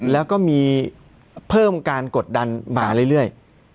แล้วก็มีเพิ่มการกดดันมาเรื่อย